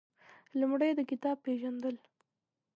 لومړی د کتاب پېژندل